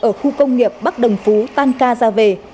ở khu công nghiệp bắc đồng phú tan ca ra về